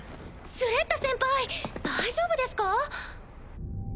スレッタ先輩大丈夫ですか？